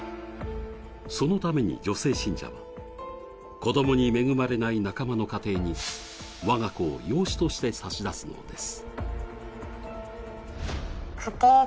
そのために女性信者は子供に恵まれない仲間の家庭に我が子を養子として差し出すのです。